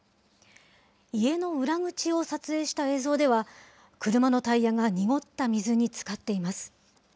家の裏口を撮影した映像では、車のタイヤが濁った水につかっています。